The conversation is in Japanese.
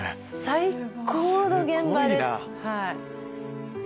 最高の現場です。